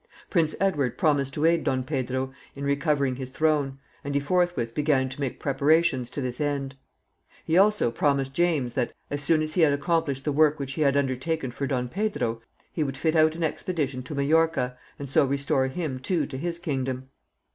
Prince Edward promised to aid Don Pedro in recovering his throne, and he forthwith began to make preparations to this end. He also promised James that, as soon as he had accomplished the work which he had undertaken for Don Pedro, he would fit out an expedition to Majorca, and so restore him too to his kingdom.